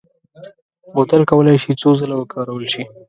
بوتل کولای شي څو ځله وکارول شي.